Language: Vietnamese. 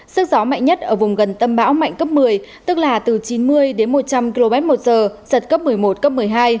sức gió mạnh nhất ở vùng gần tâm bão mạnh cấp một mươi tức là từ chín mươi đến một trăm linh km một giờ giật cấp một mươi một cấp một mươi hai